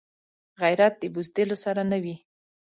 غیرت د بزدلو سره نه وي